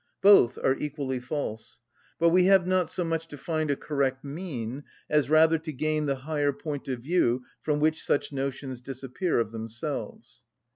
Both are equally false: but we have not so much to find a correct mean as rather to gain the higher point of view from which such notions disappear of themselves.